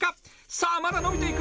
さあまだ伸びていく。